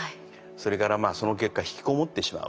それからその結果ひきこもってしまう。